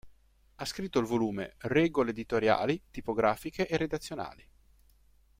Ha scritto il volume "Regole editoriali, tipografiche e redazionali".